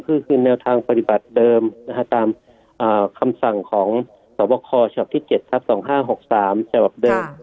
คือแนวทางปฏิบัติเดิมตามคำสั่งของสวคคลเฉพาะที่๗ทรัพย์๒๕๖๓